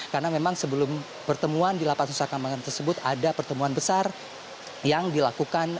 karena memang sebelum pertemuan di lapas nusantar keambangan tersebut ada pertemuan besar yang dilakukan